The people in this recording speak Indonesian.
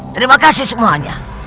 terima kasih semuanya